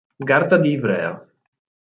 Garda di Ivrea.